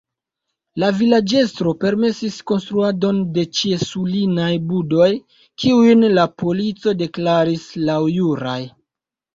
La vilaĝestro permesis konstruadon de ĉiesulinaj budoj, kiujn la polico deklaris laŭjuraj.